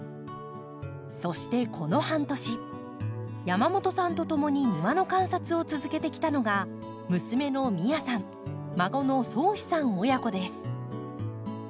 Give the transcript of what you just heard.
そしてこの半年山本さんとともに庭の観察を続けてきたのが娘の美耶さん孫の蒼士さん親子です。